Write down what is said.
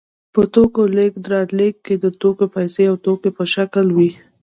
د توکو لېږد رالېږد د توکي پیسې او توکي په شکل وي